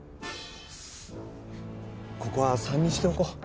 ここは３にしておこう。